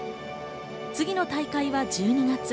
次の大会は１２月。